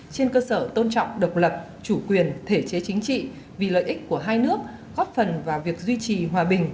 trên cơ sở tôn trọng độc lập chủ quyền thể chế chính trị vì lợi ích của hai nước góp phần vào việc duy trì hòa bình